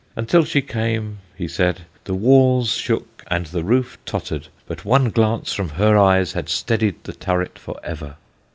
Until she came, he said, the walls shook and the roof tottered, but one glance from her eyes had steadied the turret for ever.